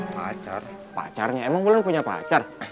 pacar pacarnya emang bulan punya pacar